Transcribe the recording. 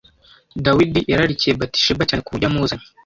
Dawidi yararikiye Batisheba cyane ku buryo yamuzanye